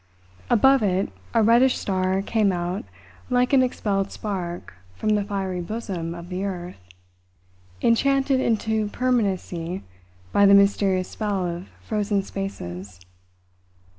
Above it a reddish star came out like an expelled spark from the fiery bosom of the earth, enchanted into permanency by the mysterious spell of frozen spaces.